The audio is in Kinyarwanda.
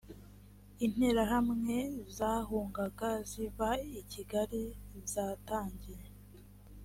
interahamwe zahungaga ziva i kigali zatangiye